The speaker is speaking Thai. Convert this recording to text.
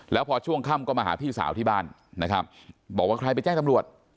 แล้วพอช่วงค่ำก็มาหาพี่สาวที่บ้านนะครับบอกว่าใครไปแจ้งตำรวจ